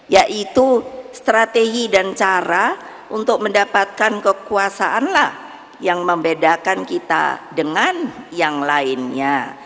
yaitu strategi dan cara untuk mendapatkan kekuasaanlah yang membedakan kita dengan yang lainnya